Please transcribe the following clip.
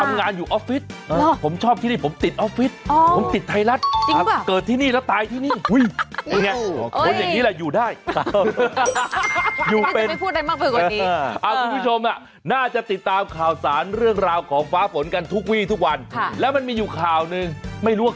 ผมทำงานอยู่ฟิศผมชอบพี่ผมถิดออฟฟิศอ๋อติดไทยรัฐหรือเกิดที่นี่แล้วตายที่